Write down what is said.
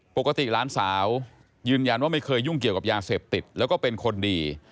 ปกติหลานสาวยืนยันว่าไม่เคยยุ่งเกี่ยวกับยาเสพติดแล้วก็เป็นคนดี